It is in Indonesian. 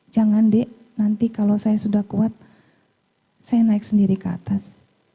jangan dek nanti kalau saya sudah kuat saya naik sendiri ke atas